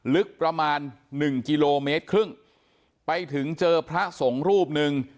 ลึกประมาณหนึ่งกิโลเมตรครึ่งไปถึงเจอพระสงฆ์รูปหนึ่ง